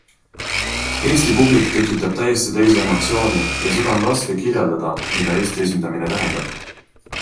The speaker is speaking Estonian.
Eesti publik tektab täiesti teise emotsiooni ja seda on raske kirjeldada, mida Eesti esindamine tähendab.